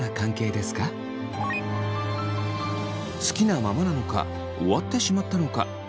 好きなままなのか終わってしまったのか。